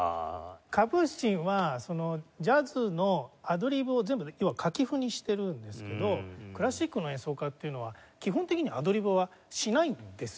カプースチンはジャズのアドリブを全部要は書き譜にしてるんですけどクラシックの演奏家っていうのは基本的にアドリブはしないんですよね。